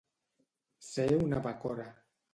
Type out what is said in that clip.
Ser una bacora.